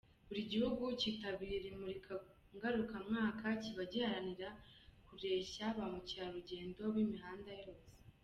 Buri gihugu cyitabira iri murika ngarukamwaka kiba giharanira kureshya ba mukerarugendo b’imihanda yose.